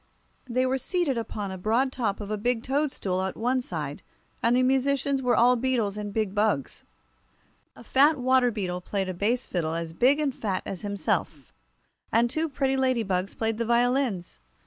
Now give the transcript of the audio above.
They were seated upon the broad top of a big toadstool at one side, and the musicians were all beetles and big bugs. A fat water beetle played a bass fiddle as big and fat as himself, and two pretty ladybugs played the violins.